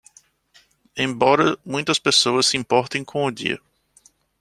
Embora muitas pessoas se importem com o dia